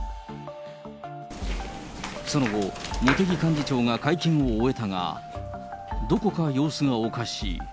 その後、茂木幹事長が会見を終えたが、どこか様子がおかしい。